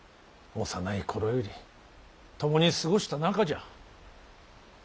幼い頃より共に過ごした仲じゃ。